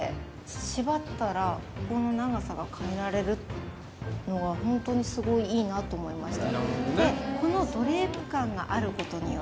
縛ったらここの長さが変えられるのがホントにすごいいいなと思いました。